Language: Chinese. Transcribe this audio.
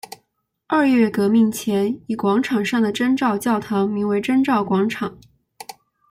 二月革命前以广场上的征兆教堂名为征兆广场。